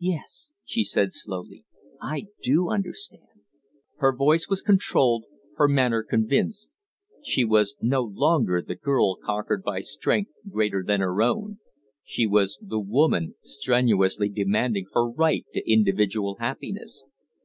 "Yes," she said, slowly, "I do understand." Her voice was controlled, her manner convinced. She was no longer the girl conquered by strength greater than her own: she was the woman strenuously demanding her right to individual happiness.